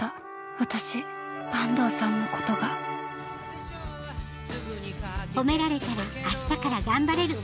私坂東さんのことがほめられたら明日から頑張れる。